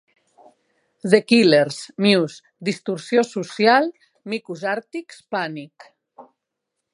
The Killers, Muse, distorsió social, micos àrtics, pànic!